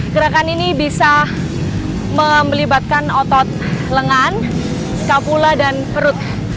gerakan ini bisa melibatkan otot lengan capula dan perut